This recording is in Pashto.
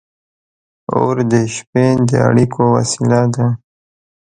• اور د شپې د اړیکو وسیله وه.